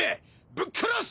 ぶっ殺す！！